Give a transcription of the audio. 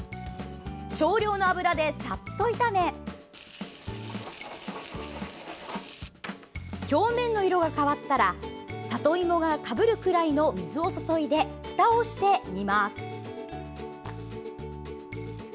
少量の油でさっと炒め表面の色が変わったら里芋がかぶるくらいの水を注いでふたをして煮ます。